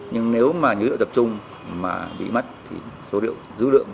nhưng nếu mà dữ liệu tập trung mà bị mất thì số dữ liệu